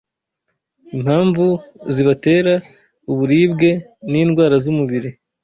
impamvu zibatera uburibwe n’indwara z’umubiri